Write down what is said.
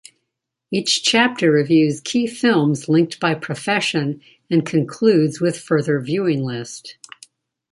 Each chapter reviews key films linked by profession and concludes with further viewing list.